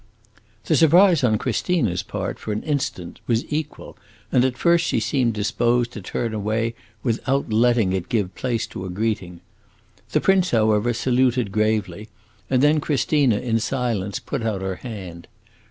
The surprise on Christina's part, for an instant, was equal, and at first she seemed disposed to turn away without letting it give place to a greeting. The prince, however, saluted gravely, and then Christina, in silence, put out her hand.